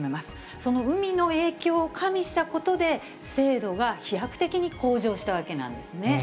その海の影響を加味したことで、精度が飛躍的に向上したわけなんですね。